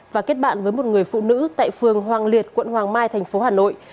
và kết bạn với một người phụ nữ tại phường hoàng liệt quận hoàng mai thành phố hà nội